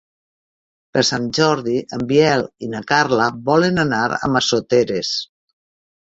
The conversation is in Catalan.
Per Sant Jordi en Biel i na Carla volen anar a Massoteres.